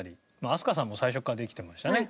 飛鳥さんもう最初からできてましたね。